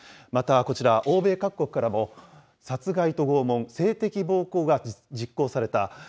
また、こちら、欧米各国からも殺害と拷問、性的暴行が実行された。